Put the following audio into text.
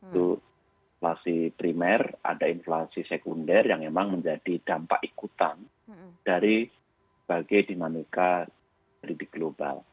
itu inflasi primer ada inflasi sekunder yang memang menjadi dampak ikutan dari bagai dinamika politik global